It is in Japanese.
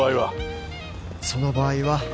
その場合は。